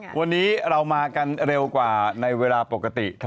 วันนี้เรามากันเร็วกว่าในเวลาปกติ